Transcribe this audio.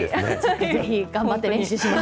ぜひ、頑張って練習します。